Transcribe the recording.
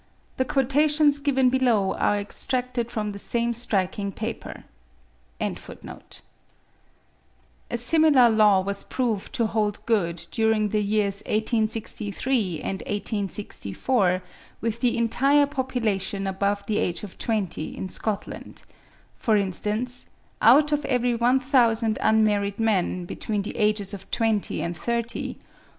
The quotations given below are extracted from the same striking paper.) A similar law was proved to hold good, during the years 1863 and 1864, with the entire population above the age of twenty in Scotland: for instance, out of every 1000 unmarried men, between the ages of twenty and thirty, 14.